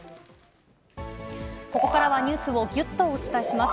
ここからはニュースをぎゅっとお伝えします。